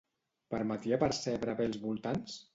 Permetia percebre bé els voltants?